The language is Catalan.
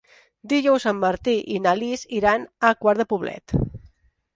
Dijous en Martí i na Lis iran a Quart de Poblet.